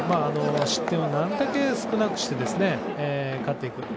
失点をなるだけ少なくして勝っていくと。